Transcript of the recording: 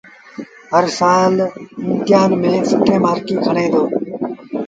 هرسآل امتهآݩ ميݩ سيٚٺين مآرڪيٚݩ کڻي دو